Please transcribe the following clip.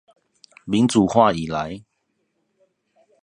民主化以來